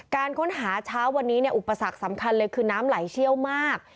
การค้นหาเช้าวันนี้อุปสรรคสำคัญเลยคือน้ำไหลเชี่ยวมาก